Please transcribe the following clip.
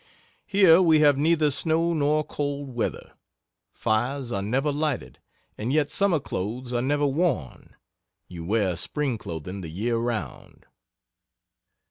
Here we have neither snow nor cold weather; fires are never lighted, and yet summer clothes are never worn you wear spring clothing the year round.